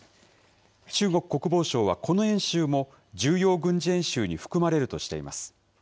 中国国防省はこの演習も重要軍事演習に含まれるとしています。